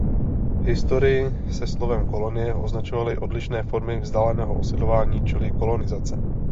V historii se slovem kolonie označovaly odlišné formy vzdáleného osidlování čili kolonizace.